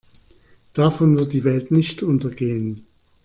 Davon wird die Welt nicht untergehen.